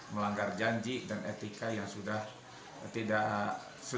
melanggar janji dan etika yang sudah tidak sesuai